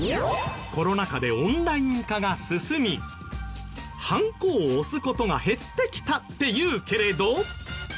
コロナ禍でオンライン化が進みはんこを押す事が減ってきたっていうけれど。